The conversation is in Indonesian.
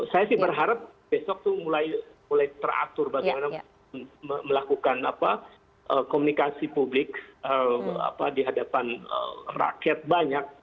saya sih berharap besok tuh mulai teratur bagaimana melakukan komunikasi publik di hadapan rakyat banyak